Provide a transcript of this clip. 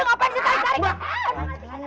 aduh ngapain sih tarik taring